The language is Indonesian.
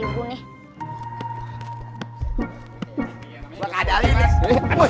lo gak ada lagi mas